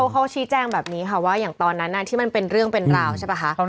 เขาชี้แจ้งแบบนี้ค่ะว่าอย่างตอนนั้นที่มันเป็นเรื่องเป็นราวใช่ป่ะคะ